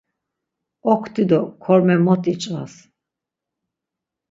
Okti do korme mot iç̌vas.